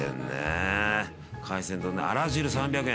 海鮮丼ねあら汁３００円。